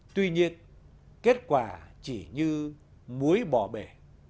tuy nhiên kết quả chỉ như muối bỏ bể